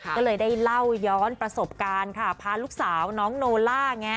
ก็เลยได้เล่าย้อนประสบการณ์ค่ะพาลูกสาวน้องโนล่าไง